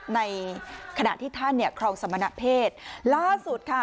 ในขณะที่ท่านเนี่ยครองสมณเพศล่าสุดค่ะ